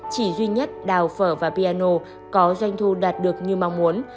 chỉ duy nhất đào phở và piano có doanh thu đạt được như mong muốn